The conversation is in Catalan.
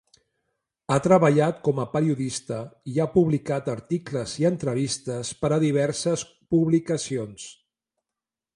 Ha treballat com a periodista i ha publicat articles i entrevistes per a diverses publicacions.